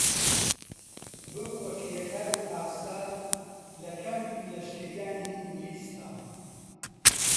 ببووە کرێکار و پاسدار لە کەمپی لەشکریانی ئێنگلیسدا